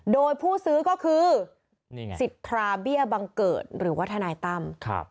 โดยผู้ซื้อก็คือสิทธาเบี้ยบังเกิดหรือว่าทนายตั้ม